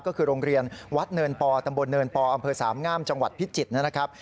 ก็คือโรงเรียนวัดเนินปอตำบลเนินปออำเภอสามงามจังหวัดพิจิตรนะครับ